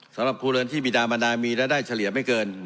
สำหรับภูเรินที่บิดาบรรดามีรายได้เฉลี่ยไม่เกิน